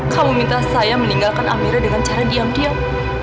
kamu minta saya meninggalkan amira dengan cara diam diam